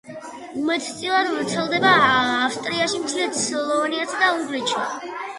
უმეტესწილად ვრცელდება ავსტრიაში, მცირედ სლოვენიასა და უნგრეთში.